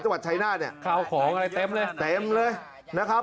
จังหวัดชายนาฬเนี่ยเต็มเลยนะครับ